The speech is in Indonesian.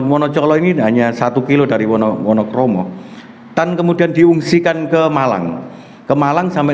wonocolo ini hanya satu kilo dari wonokromo tan kemudian diungsikan ke malang ke malang sampai